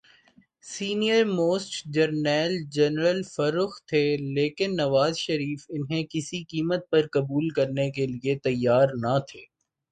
Senior most جرنیل general Farrukh تھے‘ لیکن نواز شریف انہیں کسی قیمت پر قبول کرنے کیلئے تیار نہ تھے۔